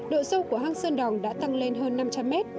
độ sâu của hang sơn đòn đã tăng lên hơn năm trăm linh mét